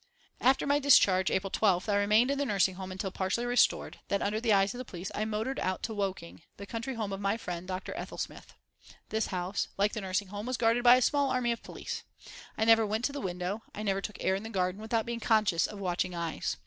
After my discharge, April 12th, I remained in the nursing home until partially restored, then, under the eyes of the police, I motored out to Woking, the country home of my friend, Dr. Ethel Smyth. This house, like the nursing home, was guarded by a small army of police. I never went to the window, I never took the air in the garden without being conscious of watching eyes.